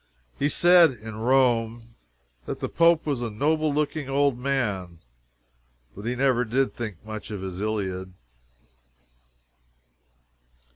He said, in Rome, that the Pope was a noble looking old man, but he never did think much of his Iliad.